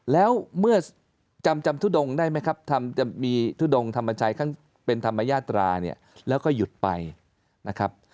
แล้วเมื่อจำจำทุดงได้ไหมครับจะมีทุดงธรรมชัยเป็นธรรมญาตราเนี่ยแล้วก็หยุดไปนะครับ